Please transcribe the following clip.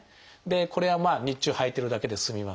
これはまあ日中はいてるだけで済みます。